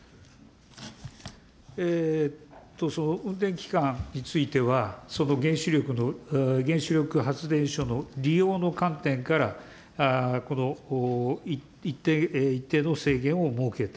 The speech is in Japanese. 運転期間については、その原子力発電所の利用の観点から、この一定の制限を設けた。